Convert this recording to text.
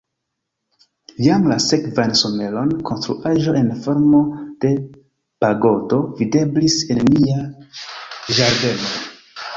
Jam la sekvan someron konstruaĵo en formo de pagodo videblis en nia ĝardeno.